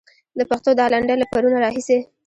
د پښتو دا لنډۍ له پرونه راهيسې.